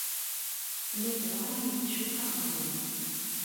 Tella tebɣa ad iyi-tcuff aqendur.